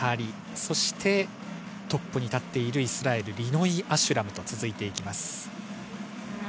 そしてトップに立っているイスラエルのリノイ・アシュラムと続いていきます。